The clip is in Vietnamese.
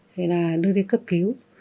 thì là đưa đi cấp cứu